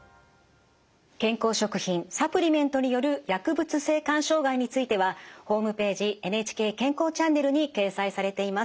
健康食品・サプリメントによる薬物性肝障害についてはホームページ「ＮＨＫ健康チャンネル」に掲載されています。